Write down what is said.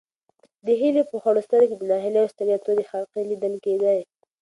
د هیلې په خړو سترګو کې د ناهیلۍ او ستړیا تورې حلقې لیدل کېدې.